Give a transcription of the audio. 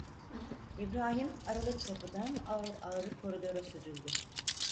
İbrahim aralık kapıdan ağır ağır koridora süzüldü.